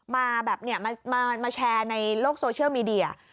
มาแบบเนี่ยมาแชร์ในโลกโซเชียลมีเดีย